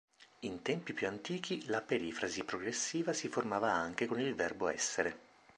In tempi più antichi, la perifrasi progressiva si formava anche con il verbo "essere".